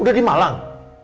udah di malang